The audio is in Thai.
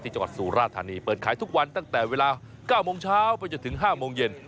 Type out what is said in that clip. จังหวัดสุราธานีเปิดขายทุกวันตั้งแต่เวลา๙โมงเช้าไปจนถึง๕โมงเย็น